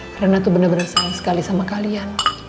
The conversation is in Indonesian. karena tuh bener bener sayang sekali sama kalian